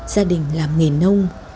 gia đình làm nghề nông